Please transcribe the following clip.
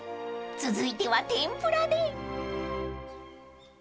［続いては天ぷらで］